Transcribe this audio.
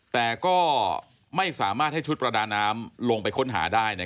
แต่ก็ไม่สามารถให้ชุดประดาน้ำลงไปค้นหาได้